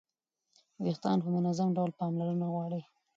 ویښتان په منظم ډول پاملرنه غواړي.